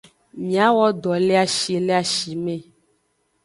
Miawo do le ashi le ashime.